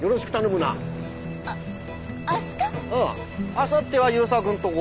あさっては勇作んとこ。